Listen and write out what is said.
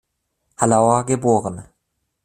Hallauer geboren.